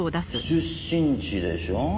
出身地でしょ